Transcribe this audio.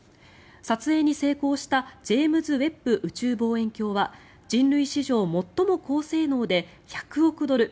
撮影に成功したジェームズ・ウェッブ宇宙望遠鏡は人類史上最も高性能で１００億ドル